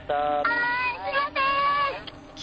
はいすいません。